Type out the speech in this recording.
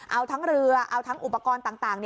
เอาทั้งเรือเอาทั้งอุปกรณ์ต่าง